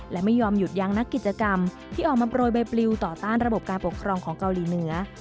และไม่ยอมหยุดยั้งนักกิจกรรมที่ออกมาโปรยใบปลิวต่อต้านระบบการปกครองของเกาหลีเหนือ